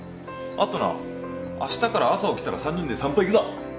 あとなあしたから朝起きたら３人で散歩行くぞ。